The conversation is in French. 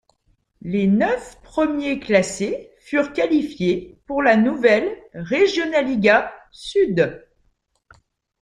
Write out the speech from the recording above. Les neuf premiers classés furent qualifiés pour la nouvelle Regionalliga Sud.